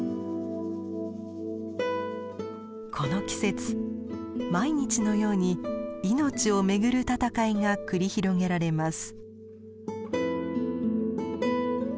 この季節毎日のように命をめぐる闘いが繰り広げられます。